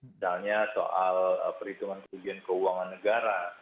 misalnya soal perhitungan kerugian keuangan negara